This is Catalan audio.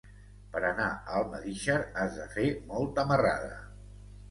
Per anar a Almedíxer has de fer molta marrada.